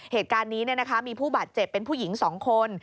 เหตุการณ์นี้มีผู้บาดเจ็บเป็นผู้หญิง๒คน